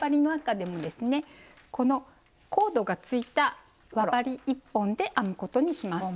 このコードがついた輪針１本で編むことにします。